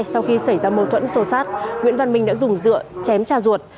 sau khi xảy ra mâu thuẫn sô sát nguyễn văn minh đã dùng dựa chém cha ruột